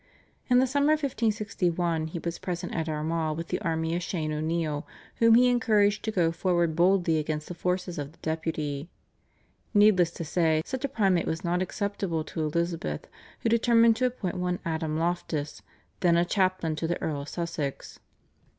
In the summer of 1561 he was present at Armagh with the army of Shane O'Neill whom he encouraged to go forward boldly against the forces of the Deputy. Needless to say such a primate was not acceptable to Elizabeth who determined to appoint one Adam Loftus, then a chaplain to the Earl of Sussex.